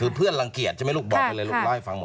คือเพื่อนรังเกียจใช่ไหมลูกบอกไปเลยลูกเล่าให้ฟังหมด